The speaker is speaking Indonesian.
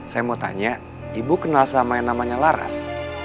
saya mau tanya ibu kenal sama yang namanya laras